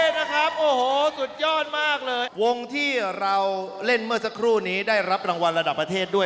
นี่นะครับโอ้โหสุดยอดมากเลยวงที่เราเล่นเมื่อสักครู่นี้ได้รับรางวัลระดับประเทศด้วย